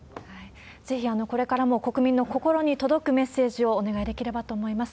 ぜひこれからも国民の心に届くメッセージをお願いできればと思います。